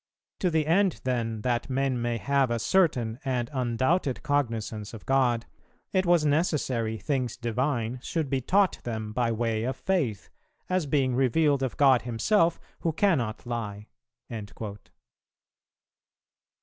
To the end then that men may have a certain and undoubted cognizance of God, it was necessary things divine should be taught them by way of Faith, as being revealed of God Himself, who cannot lie.'[332:1] ....